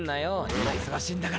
今忙しいんだから。